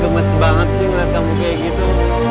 gemes banget sih ngeliat kamu kayak gitu